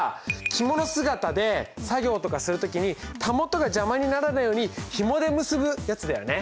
着物姿で作業とかする時に袂が邪魔にならないようにヒモで結ぶやつだよね。